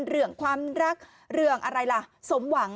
เรื่องความรักเรื่องอะไรล่ะสมหวัง